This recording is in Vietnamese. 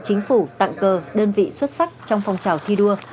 chính phủ tặng cờ đơn vị xuất sắc trong phong trào thi đua